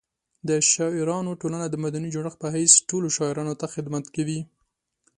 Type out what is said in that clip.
د شاعرانو ټولنه د مدني جوړښت په حیث ټولو شاعرانو ته خدمت کوي.